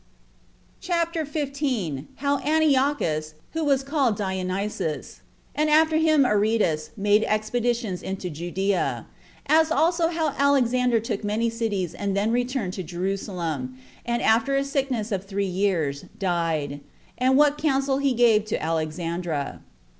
CHAPTER 15. How Antiochus, Who Was Called Dionysus, And After Him Aretas Made Expeditions Into Judea; As Also How Alexander Took Many Cities And Then Returned To Jerusalem, And After A Sickness Of Three Years Died; And What Counsel He Gave To Alexandra.